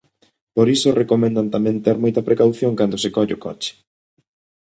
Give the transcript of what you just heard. Por iso recomendan tamén ter moita precaución cando se colle o coche.